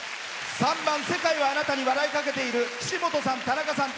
３番「世界はあなたに笑いかけている」のきしもとさん、たなかさん